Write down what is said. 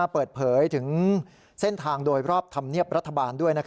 เปิดเผยถึงเส้นทางโดยรอบธรรมเนียบรัฐบาลด้วย